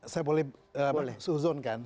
saya boleh sehuzon kan